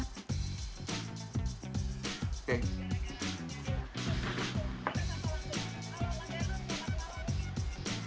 kalau anggaran sama pak pak mungkin